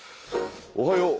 おはよう。